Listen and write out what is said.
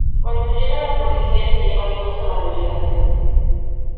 Cuando llega la policía, se lleva a todos a la delegación.